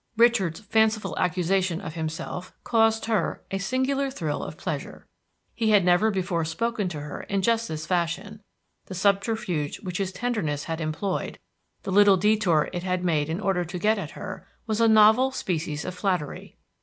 Richard's fanciful accusation of himself caused her a singular thrill of pleasure. He had never before spoken to her in just this fashion; the subterfuge which his tenderness had employed, the little detour it had made in order to get at her, was a novel species of flattery.